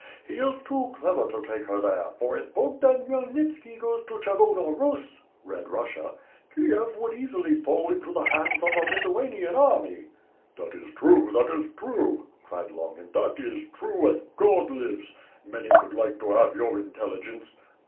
He is too clever to take her there, for if Bogdan Khmyelnitski goes to Cher Vona Buss, (Red Bussia), Kiev would easily fall into the hands of the Lithuanian army." "That is true; that is true;" cried Longin, "that is true, as God lives! Many would like to have youx intelligence."